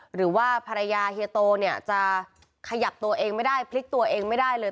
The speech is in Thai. หรือว่าภรรยาเฮียโตเนี่ยจะขยับตัวเองไม่ได้พลิกตัวเองไม่ได้เลย